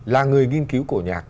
là người nghiên cứu cổ nhạc